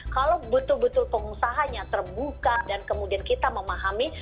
kalau betul betul pengusahanya terbuka dan kemudian kita memahami